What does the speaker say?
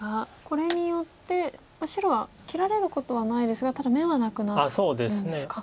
これによって白は切られることはないですがただ眼はなくなるんですか。